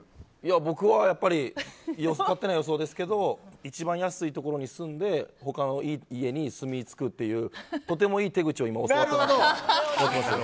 僕は勝手な予想ですけど一番安いところに住んで他の家に住み着くというとてもいい手口を教わったので。